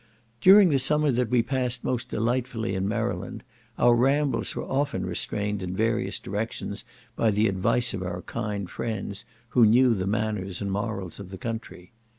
During the summer that we passed most delightfully in Maryland, our rambles were often restrained in various directions by the advice of our kind friends, who knew the manners and morals of the country.